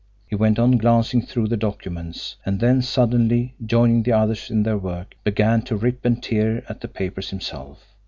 He went on glancing through the documents; and then suddenly, joining the others in their work, began to rip and tear at the papers himself.